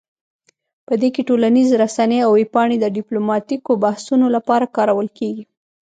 په دې کې ټولنیز رسنۍ او ویب پاڼې د ډیپلوماتیکو بحثونو لپاره کارول کیږي